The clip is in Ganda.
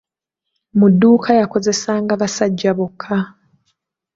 Mu dduuka yakozesanga basajja bokka!